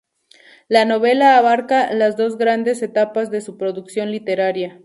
La novela abarca las dos grandes etapas de su producción literaria.